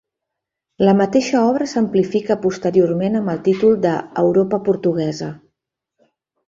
La mateixa obra s'amplifica posteriorment amb el títol de "Europa portuguesa".